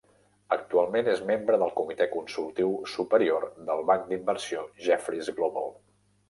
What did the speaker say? Actualment és membre del Comitè consultiu superior del banc d'inversió Jefferies' Global.